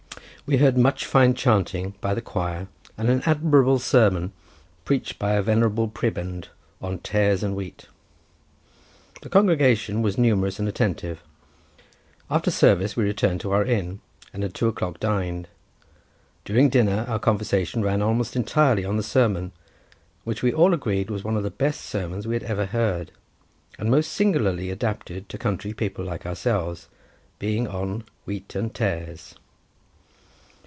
We heard much fine chanting by the choir, and an admirable sermon, preached by a venerable prebend, on "Tares and Wheat." The congregation was numerous and attentive. After service, we returned to our inn, and at two o'clock dined. During dinner, our conversation ran almost entirely on the sermon, which we all agreed was one of the best sermons we had ever heard, and most singularly adapted to country people like ourselves, being on "Wheat and Tares."